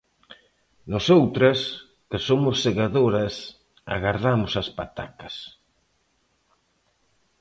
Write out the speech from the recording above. Nosoutras, que somos segadoras, agardamos as patacas.